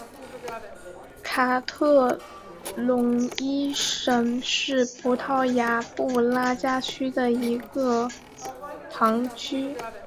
卡瓦隆伊什是葡萄牙布拉加区的一个堂区。